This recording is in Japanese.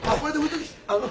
あの。